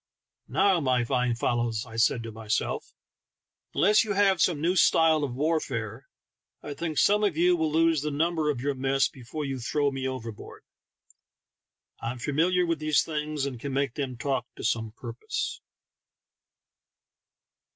"Now, my fine fellows," I said to myself; "unless you have some new style of warfare, I think some of you will lose the number of your mess before you throw me overboard. I'm famil iar with these things, and can make them talk to some purpose."